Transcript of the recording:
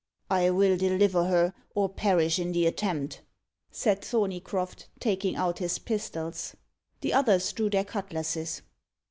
"I will deliver her, or perish in the attempt," said Thorneycroft, taking out his pistols. The others drew their cutlasses.